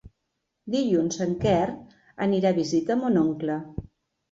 Dilluns en Quer anirà a visitar mon oncle.